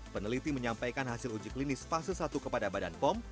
peneliti menyampaikan hasil uji klinis fase satu kepada badan pom